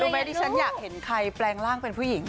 ไหมที่ฉันอยากเห็นใครแปลงร่างเป็นผู้หญิง